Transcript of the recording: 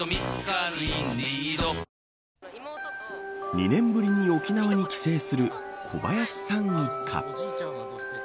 ２年ぶりに沖縄に帰省する小林さん一家。